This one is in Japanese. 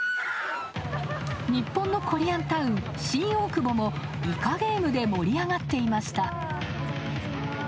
日本のコリアンタウン、新大久保も「イカゲーム」で盛り上がっていました。